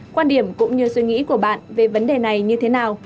quan điểm cũng như suy nghĩ của bạn về vấn đề này như thế nào